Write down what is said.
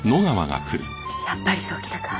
やっぱりそうきたか。